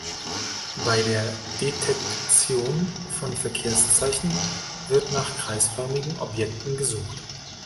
Bei der Detektion von Verkehrszeichen wird nach kreisförmigen Objekten gesucht.